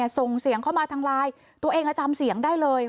ส่งเสียงเข้ามาทางไลน์ตัวเองจำเสียงได้เลย